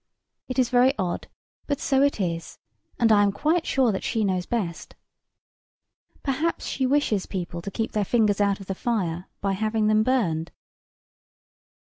It is very odd, but so it is; and I am quite sure that she knows best. Perhaps she wishes people to keep their fingers out of the fire, by having them burned.